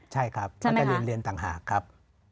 ใช่ครับเขาจะเรียนต่างหากครับ